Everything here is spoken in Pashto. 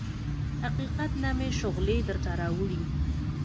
حقیقت نه مې شغلې درته راوړي